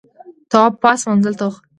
تواب پاس منزل ته وخوت.